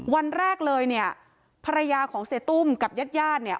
วันแรกเลยเนี่ยภรรยาของเสียตุ้มกับญาติญาติเนี่ย